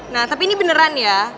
nah tapi ini beneran ya